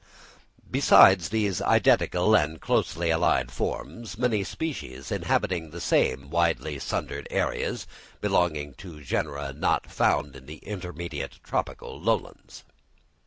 Besides these identical and closely allied forms, many species inhabiting the same widely sundered areas, belong to genera not now found in the intermediate tropical lowlands.